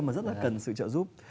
mà rất là cần sự trợ giúp